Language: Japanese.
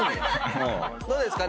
どうですか？